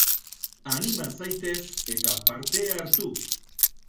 Anima zaitez, eta parte hartu!